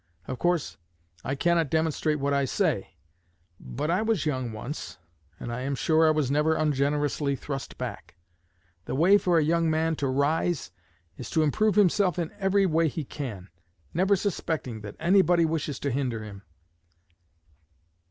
Of course, I cannot demonstrate what I say; but I was young once, and I am sure I was never ungenerously thrust back. The way for a young man to rise is to improve himself in every way he can, never suspecting that anybody wishes to hinder him.